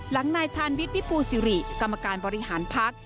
นายชาญวิทย์วิปูสิริกรรมการบริหารพัก